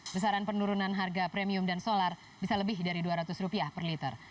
besaran penurunan harga premium dan solar bisa lebih dari rp dua ratus rupiah per liter